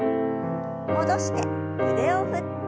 戻して腕を振って。